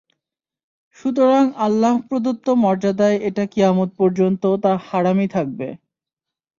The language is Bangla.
সুতরাং আল্লাহ প্রদত্ত মর্যাদায় এটা কিয়ামত পর্যন্ত তা হারমই থাকবে।